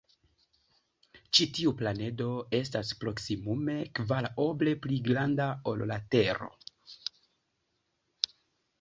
Ĉi tiu planedo estas proksimume kvar oble pli granda ol la Tero.